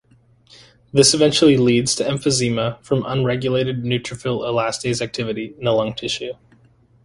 This eventually leads to emphysema from unregulated neutrophil elastase activity in the lung tissue.